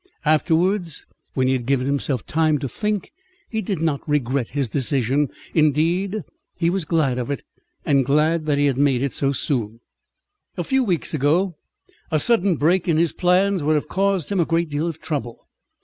Afterwards, when he had given himself time to think, he did not regret his decision. Indeed, he was glad of it, and glad that he had made it so soon. A few weeks ago, a sudden break in his plans would have caused him a great deal of trouble.